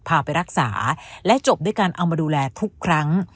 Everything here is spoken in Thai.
พาไปรักษาและจบด้วยการเอามาดูแลทุกครั้ง